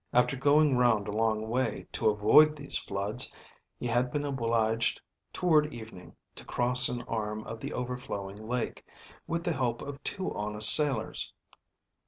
After going round a long way, to avoid these floods, he had been obliged toward evening to cross an arm of the overflowing lake, with the help of two honest sailors.